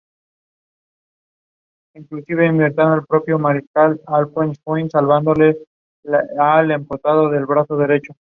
Un cuarto son así segundas residencias.